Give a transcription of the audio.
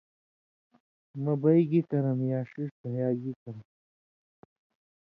مہ بئ گی کرم یا ݜِݜ دھیا گی کرم